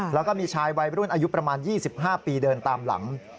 แล้วก็มีชายวัยรุ่นอายุประมาณ๒๕ปีเดินตามหลัง